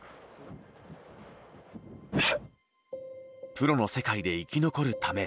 プロの世界で生き残るため